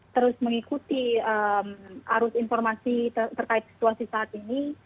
terus mengikuti arus informasi terkait situasi saat ini